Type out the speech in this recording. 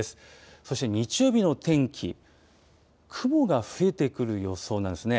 そして日曜日の天気、雲が増えてくる予想なんですね。